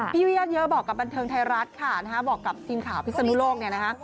ยุญาติเยอะบอกกับบันเทิงไทยรัฐค่ะนะฮะบอกกับทีมข่าวพิศนุโลกเนี่ยนะฮะ